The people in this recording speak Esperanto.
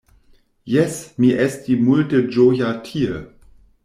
Jes, mi esti multe ĝoja tie.